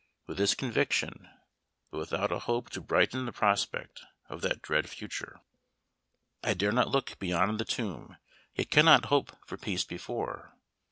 With this conviction, but without a hope to brighten the prospect of that dread future: "'I dare not look beyond the tomb, Yet cannot hope for peace before.'